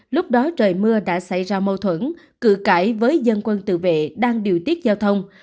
lúc đó trời mưa đã xảy ra mâu thuẫn cự cãi với dân quân tự vệ đang điều tiết giao thông